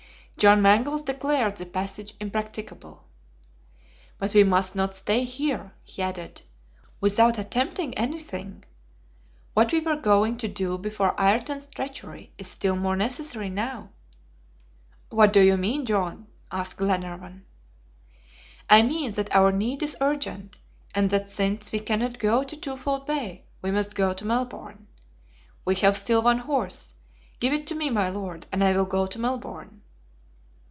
John Mangles declared the passage impracticable. "But we must not stay here," he added, "without attempting anything. What we were going to do before Ayrton's treachery is still more necessary now." "What do you mean, John?" asked Glenarvan. "I mean that our need is urgent, and that since we cannot go to Twofold Bay, we must go to Melbourne. We have still one horse. Give it to me, my Lord, and I will go to Melbourne."